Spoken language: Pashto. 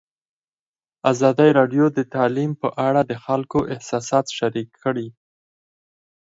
ازادي راډیو د تعلیم په اړه د خلکو احساسات شریک کړي.